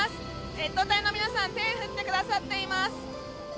越冬隊の皆さん手を振ってくださっています。